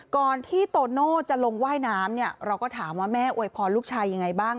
ก่อนที่โตโน่จะลงว่ายน้ำเนี่ยเราก็ถามว่าแม่อวยพรลูกชายยังไงบ้าง